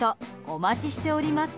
お待ちしております。